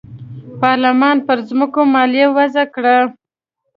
پارلمان پر ځمکو مالیه وضعه کړه.